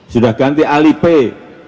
sudah ganti alipay